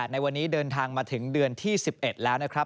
ในวันนี้เดินทางมาถึงเดือนที่๑๑แล้วนะครับ